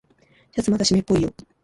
シャツまだしめっぽいよ。